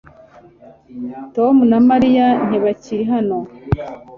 Tom na Mariya ntibakiri hano